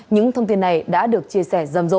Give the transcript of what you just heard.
những thông tin này đã được chia sẻ rầm rộ